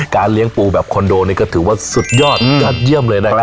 เลี้ยงปูแบบคอนโดนี่ก็ถือว่าสุดยอดยอดเยี่ยมเลยนะครับ